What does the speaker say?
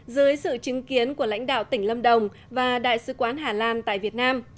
dưới sự chứng kiến của lãnh đạo tỉnh lâm đồng và đại sứ quán hà lan tại việt nam